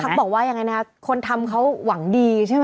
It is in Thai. ภัคดิ์บอกว่าอย่างไรนะคนทำเขาหวังดีใช่ไหม